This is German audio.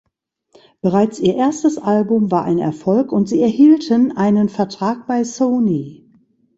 Bereits ihr erstes Album war ein Erfolg und sie erhielten einen Vertrag bei Sony.